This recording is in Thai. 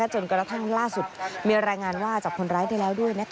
จนกระทั่งล่าสุดมีรายงานว่าจับคนร้ายได้แล้วด้วย